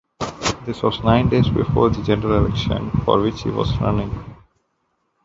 This was nine days before the general election, for which he was running.